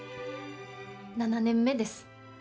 ７年目です。